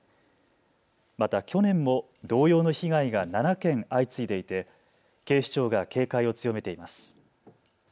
また去年も同様の被害が７件相次いでいて警視庁が警戒を強めています。